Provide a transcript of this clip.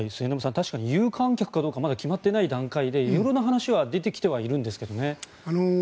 確かに有観客かまだ決まってない段階で色々な話は出てきてはいるんですけどね。